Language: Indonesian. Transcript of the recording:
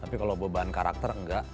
tapi kalau beban karakter enggak